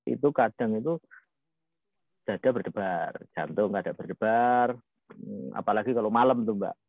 itu kadang itu dada berdebar jantung keadaan berdebar apalagi kalau malam tuh mbak